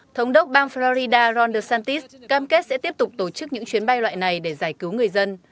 thống đốc bang florida ron desantis cam kết sẽ tiếp tục tổ chức những chuyến bay loại này để giải cứu người dân